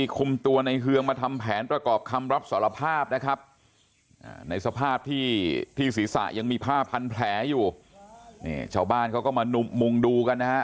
คือที่สุดค่ะ